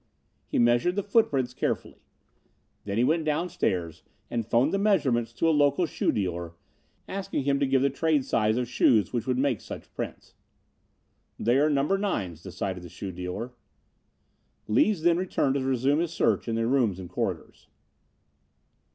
He measured the footprints carefully. Then he went downstairs and phoned the measurements to a local shoe dealer, asking him to give him the trade size of shoes which would make such prints. "They are number nines," decided the shoe dealer. Lees then returned to resume his search in the rooms and corridors.